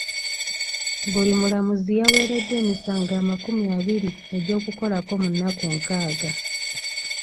Buli mulamuzi yaweereddwa emisango amakumi abiri egy'okukolako mu nnaku nkaaga.